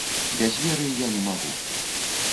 Без веры я не магу.